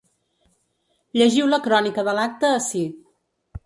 Llegiu la crònica de l’acte ací.